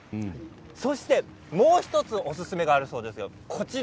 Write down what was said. そしてもう１つおすすめがあるそうです。